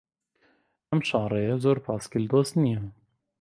ئەم شاڕێیە زۆر پایسکل دۆست نییە.